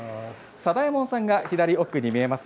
貞右衛門さんが左奥に見えます